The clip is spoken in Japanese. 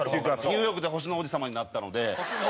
ニューヨークで星の王子様になったので。